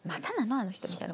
あの人みたいな。